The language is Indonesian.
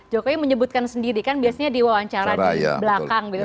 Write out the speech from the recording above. jokowi menyebutkan sendiri kan biasanya di wawancara di belakang gitu